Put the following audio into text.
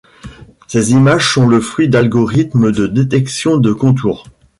Ces images sont le fruit d'algorithmes de détection de contours.